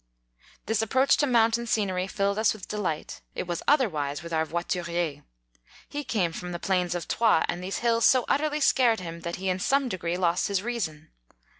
This approach to mountain scenery filled us with delight ; it was otherwise with our voiturier: he came from the plains of Troyes, and these hills so utterly scared him, that he in some degree lost his reason.